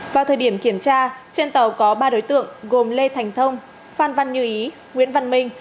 vào thời điểm kiểm tra trên tàu có ba đối tượng gồm lê thành thông phan văn như ý nguyễn văn minh